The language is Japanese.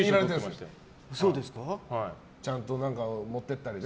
ちゃんと何か持っていったりね。